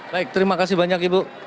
baik terima kasih banyak ibu